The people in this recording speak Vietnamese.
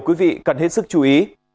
quý vị cần hết sức chú ý